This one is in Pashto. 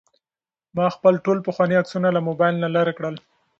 ما خپل ټول پخواني عکسونه له موبایل نه لرې کړل.